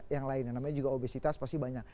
yang lainnya namanya juga obesitas pasti banyak